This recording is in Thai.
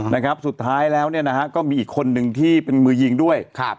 นะครับสุดท้ายแล้วเนี่ยนะฮะก็มีอีกคนนึงที่เป็นมือยิงด้วยครับ